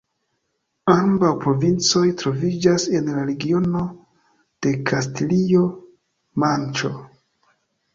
Ambaŭ provincoj troviĝas en la regiono de Kastilio-Manĉo.